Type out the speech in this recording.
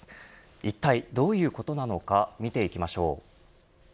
いったいどういうことなのか見ていきましょう。